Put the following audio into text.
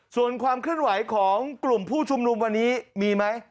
ส่วนความเคลื่อนไหวของกลุ่มผู้ชุมนุมวันนี้มีไหม